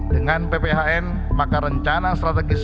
dengan pphn maka rencana strategis